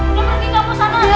udah pergi kamu sana